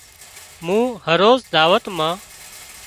مُون هروز دعوت مان